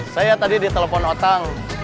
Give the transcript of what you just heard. saya tadi di telepon otang